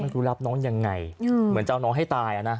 ครูรับน้องยังไงเหมือนจะเอาน้องให้ตายอ่ะนะ